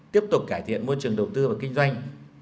tiếp tục cải thiện môi trường đầu tư và kinh doanh